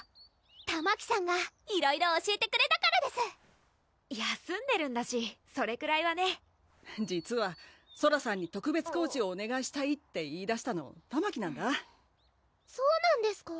たまきさんがいろいろ教えてくれたからです休んでるんだしそれくらいはね実はソラさんに特別コーチをおねがいしたいって言いだしたのたまきなんだそうなんですか？